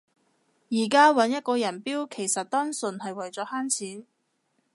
而家搵一個人標其實單純係為咗慳錢